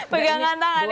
pegangan tangan ya